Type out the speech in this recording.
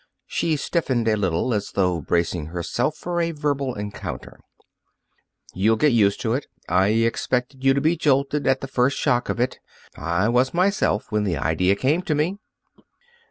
She stiffened a little, as though bracing herself for a verbal encounter. "You'll get used to it. I expected you to be jolted at the first shock of it. I was, myself when the idea came to me."